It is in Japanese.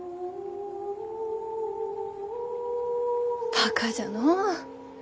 バカじゃのう。